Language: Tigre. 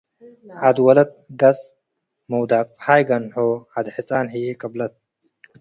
ዐድ ወለት ገጽ ምውዳቅ-ጸሓይ ገንሖ፣ ዐድ ሕጻን ህዬ ቅብለት ።